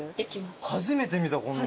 初めて見たこんなん。